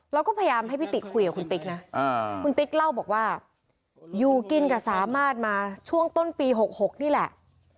เราก็พยายามให้พี่ติ๊กคุยกับคุณติ๊กนะคุณติ๊กเล่าบอกว่าอยู่กินกับสามารถมาช่วงต้นปี๖๖นี่แหละ